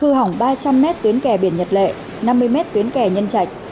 hư hỏng ba trăm linh m tuyến kè biển nhật lệ năm mươi m tuyến kè nhân trạch